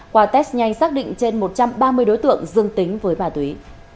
qua test nhanh xác định trên một trăm ba mươi đối tượng dương tính với ma túy